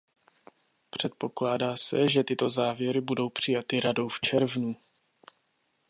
Předpokládá se, že tyto závěry budou přijaty Radou v červnu.